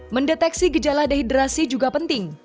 mendeteksi gejala dehidrasi juga penting